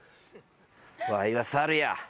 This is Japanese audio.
わいは猿や。